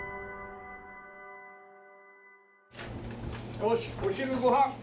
よしお昼ご飯。